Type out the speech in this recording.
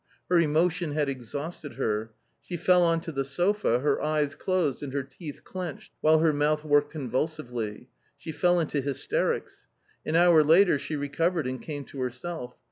Her emotion had exhausted her ; she fell on to the sofa, her eyes closed and her teeth clenched, while her mouth worked convul sively. She fell into hysterics. An hour later she recovered and came to herself.